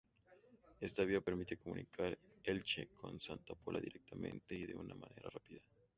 Esta vía permite comunicar Elche con Santa Pola directamente y de una manera rápida.